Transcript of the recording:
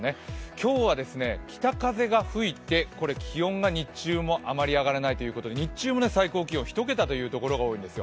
今日は北風が吹いて、気温が日中もあまり上がらないということで日中も最高気温１桁というところが多いんですよ。